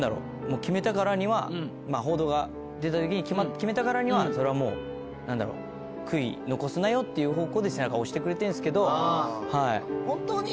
決めたからにはまぁ報道が出た時に決めたからにはそれはもう何だろう悔い残すなよっていう方向で背中を押してくれてるんですけどはい。